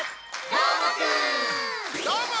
どーも！